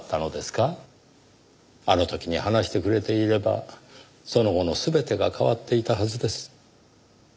あの時に話してくれていればその後の全てが変わっていたはずです。